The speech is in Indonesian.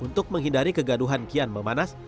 untuk menghindari kegaduhan kian memanas